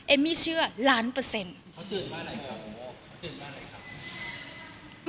เอ็มมี่เชื่อล้านเปอร์เซ็นต์เขาเตือนกันอะไรครับ